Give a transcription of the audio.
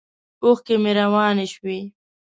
اوښکې مې روانې شوې.